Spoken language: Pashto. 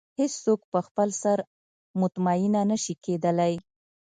هېڅ څوک په خپل سر مطمئنه نه شي کېدلی.